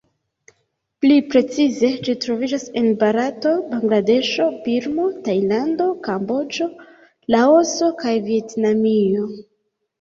Pli precize ĝi troviĝas en Barato, Bangladeŝo, Birmo, Tajlando, Kamboĝo, Laoso kaj Vjetnamio.